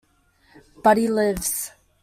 But he lives.